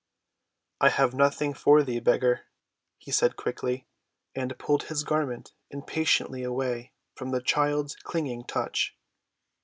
"I have nothing for thee, beggar," he said quickly, and pulled his garment impatiently away from the child's clinging touch.